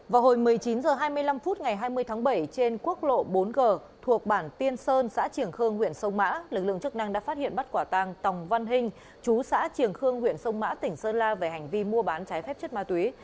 vào hồi một mươi chín h hai mươi năm phút ngày hai mươi tháng bảy trên quốc lộ bốn g thuộc bản tiên sơn xã triềng khương huyện sông mã lực lượng chức năng đã phát hiện bắt quả tàng tòng văn hình chú xã triềng khương huyện sông mã tỉnh sơn la về hành vi mua bán trái phép chất ma túy